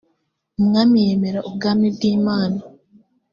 umwami yemera ubwami bw’imana